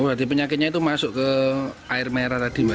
berarti penyakitnya itu masuk ke air merah tadi mbak